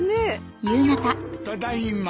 ただいま。